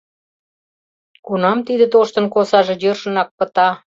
Кунам тиде тоштын косаже йӧршынак пыта?